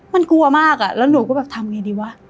มันกลัวมากอะแล้วหนูก็แบบทำไงดีวะ